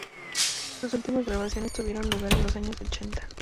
Sus últimas grabaciones tuvieron lugar en los años ochenta.